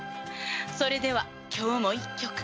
それでは今日も１曲。